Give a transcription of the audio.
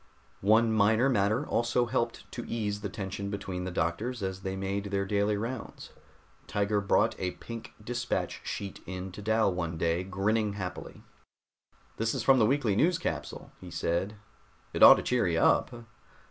One minor matter also helped to ease the tension between the doctors as they made their daily rounds. Tiger brought a pink dispatch sheet in to Dal one day, grinning happily. "This is from the weekly news capsule," he said. "It ought to cheer you up."